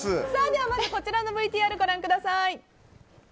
では、まずこちらのＶＴＲご覧ください。